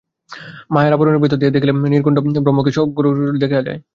মায়ার আবরণের ভিতর দিয়া দেখিলে নির্গুণ ব্রহ্মকেই সগুণ ঈশ্বররূপে দেখা যায়।